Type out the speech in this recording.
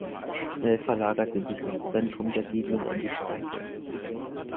Schnell verlagerte sich das Zentrum der Siedlung an die Strecke.